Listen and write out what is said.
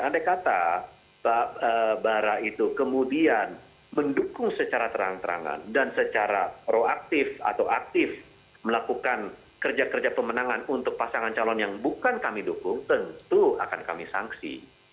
andai kata pak bara itu kemudian mendukung secara terang terangan dan secara proaktif atau aktif melakukan kerja kerja pemenangan untuk pasangan calon yang bukan kami dukung tentu akan kami sanksi